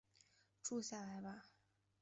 住下来吧